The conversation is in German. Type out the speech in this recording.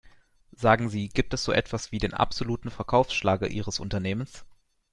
Sagen Sie, gibt es so etwas wie den absoluten Verkaufsschlager ihres Unternehmens?